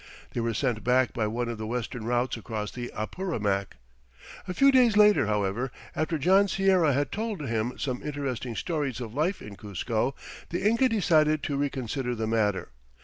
They were sent back by one of the western routes across the Apurimac. A few days later, however, after John Sierra had told him some interesting stories of life in Cuzco, the Inca decided to reconsider the matter.